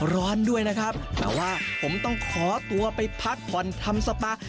ร้อนด้วยนะครับแต่ว่าผมต้องขอตัวไปพักผ่อนทำสปา